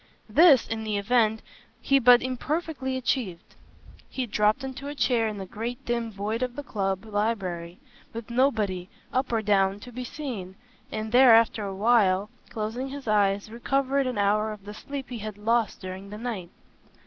This, in the event, he but imperfectly achieved: he dropped into a chair in the great dim void of the club library, with nobody, up or down, to be seen, and there after a while, closing his eyes, recovered an hour of the sleep he had lost during the night.